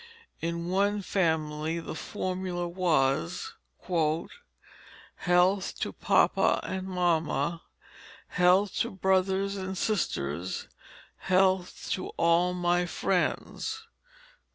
In one family the formula was, "Health to papa and mamma, health to brothers and sisters, health to all my friends."